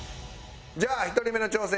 じゃあ１人目の挑戦。